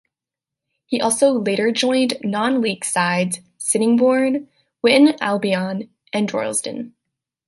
He also later joined non-League sides Sittingbourne, Witton Albion and Droylsden.